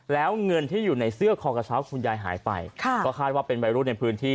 แล้วเงินที่อยู่ในเสื้อคอกระเช้าหายไป